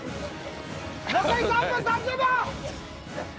残り３分３０秒！